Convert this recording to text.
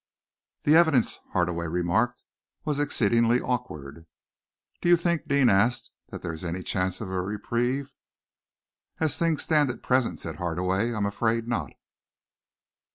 "The evidence," Hardaway remarked, "was exceedingly awkward." "Do you think," Deane asked, "that there is any chance of a reprieve?" "As things stand at present," said Hardaway, "I am afraid not."